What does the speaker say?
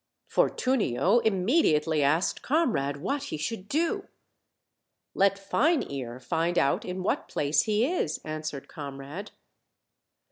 Fortunio im mediately asked Comrade what he should do. "Let Fine ear find out in what place he is," answered Com rade.